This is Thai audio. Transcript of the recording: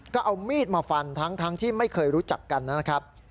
ก็เอามีดมาฟันทั้งที่ไม่เคยรู้จักกันนะครับ